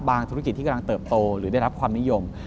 ธุรกิจที่กำลังเติบโตหรือได้รับความนิยม